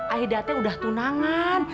aida teh udah tunangan